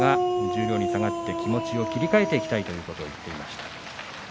十両に下がって気持ちを切り替えていきたいということです。